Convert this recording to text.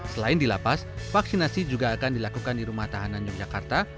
selain di lapas vaksinasi juga akan dilakukan di rumah tahanan yogyakarta